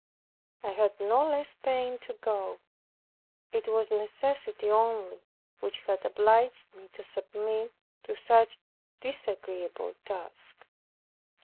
I had no less pain to go. It was necessity only which had obliged me to submit to such a disagreeable task.